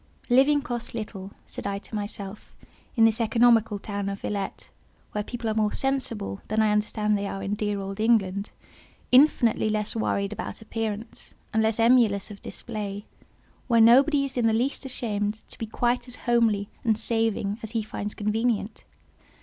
"Living costs little," said I to myself, "in this economical town of Villette, where people are more sensible than I understand they are in dear old England—infinitely less worried about appearance, and less emulous of display—where nobody is in the least ashamed to be quite as homely and saving as he finds convenient.